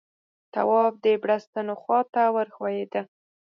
تواب د بړستنو خواته ور وښويېد.